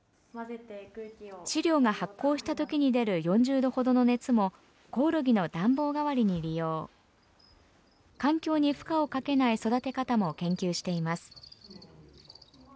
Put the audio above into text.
飼料が発酵したときに出る４０度ほどの熱もコオロギの暖房代わりに利用環境に負荷をかけない育て方も研究しています。